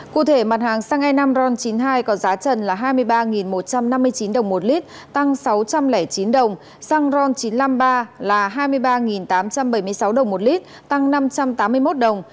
cụ thể mặt hàng xăng e năm ron chín mươi hai có giá trần là hai mươi ba một trăm năm mươi chín đồng một lít tăng sáu trăm linh chín đồng xăng ron chín trăm năm mươi ba là hai mươi ba tám trăm bảy mươi sáu đồng một lít tăng năm trăm tám mươi một đồng